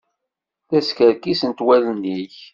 La skerkisent wallen-ik.